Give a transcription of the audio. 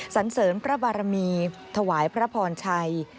สันเสริญพระบารมีถวายพระพรชัย